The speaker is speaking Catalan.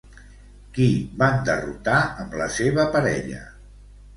Qui van derrotar amb la seva parella?